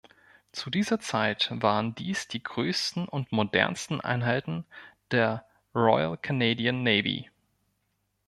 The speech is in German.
Zu dieser Zeit waren dies die größten und modernsten Einheiten der Royal Canadian Navy.